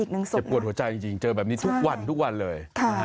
อย่าปวดหัวใจจริงเจอแบบนี้ทุกวันเลย